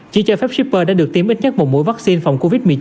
chỉ cho phép shipper đã được tiêm ít nhất một mũi vaccine phòng covid một mươi chín